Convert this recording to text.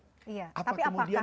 tapi apakah semuanya